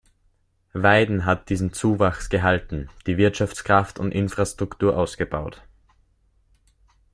Weiden hat diesen Zuwachs gehalten, die Wirtschaftskraft und Infrastruktur ausgebaut.